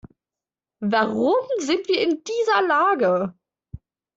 Warum sind wir in dieser Lage?